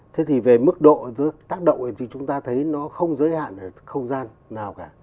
thế thì về mức độ tác động thì chúng ta thấy nó không giới hạn ở không gian nào cả